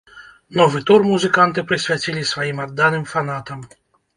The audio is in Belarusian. Новы тур музыканты прысвяцілі сваім адданым фанатам.